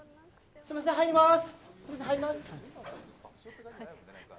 すいません入ります！